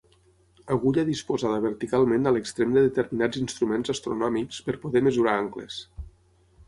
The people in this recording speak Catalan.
Agulla disposada verticalment a l'extrem de determinats instruments astronòmics per poder mesurar angles.